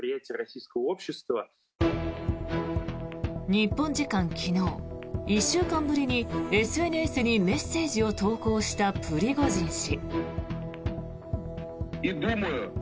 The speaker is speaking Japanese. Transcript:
日本時間昨日、１週間ぶりにＳＮＳにメッセージを投稿したプリゴジン氏。